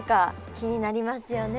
気になりますよね。